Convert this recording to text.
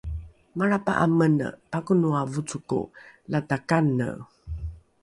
malrapa’a mene pakonoa vocoko lata kane